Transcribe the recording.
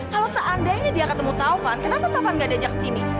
kalau seandainya dia ketemu taufan kenapa taufan gak diajak ke sini